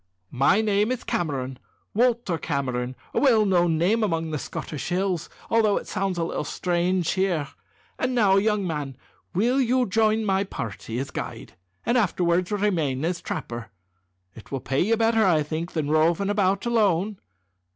"My name is Cameron Walter Cameron a well known name among the Scottish hills, although it sounds a little strange here. And now, young man, will you join my party as guide, and afterwards remain as trapper? It will pay you better, I think, than roving about alone."